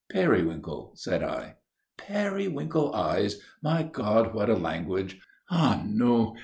"Periwinkle," said I. "Periwinkle eyes! My God, what a language! Ah, no!